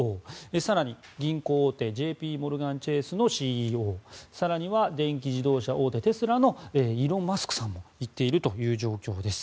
更に銀行大手ＪＰモルガン・チェースのＣＥＯ更には電気自動車大手テスラのイーロン・マスクさんも行っているという状況です。